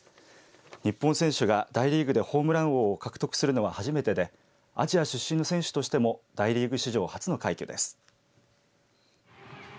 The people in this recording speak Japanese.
日本選手が大リーグでホームラン王を獲得するのははじめてでアジア出身の選手としても大リーグ史上初の快挙です。